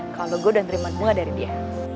kalau gue udah nerima dunga dari dia